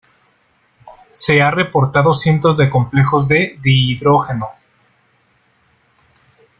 Se ha reportado cientos de complejos de dihidrógeno.